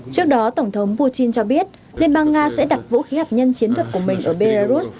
trước đó tổng thống putin cho biết liên bang nga sẽ đặt vũ khí hạt nhân chiến thuật của mình ở belarus